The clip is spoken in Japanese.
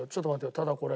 ただこれ。